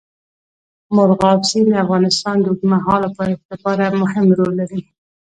مورغاب سیند د افغانستان د اوږدمهاله پایښت لپاره مهم رول لري.